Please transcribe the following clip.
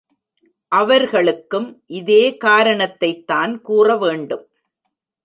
அவர்களுக்கும் இதே காரணத்தைத்தான் கூற வேண்டும்.